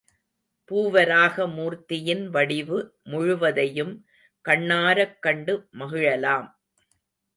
பூவராக மூர்த்தியின் வடிவு முழுவதையும் கண்ணாரக் கண்டு மகிழலாம்.